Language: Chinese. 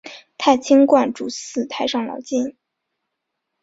太清观主祀太上老君。